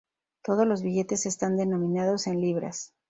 Todos los billetes están denominados en libras.